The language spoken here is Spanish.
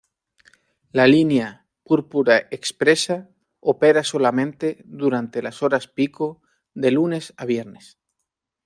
La línea Púrpura Expresa opera solamente durante las horas pico de lunes a viernes.